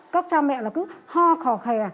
các cha mẹ là cứ ho khò khè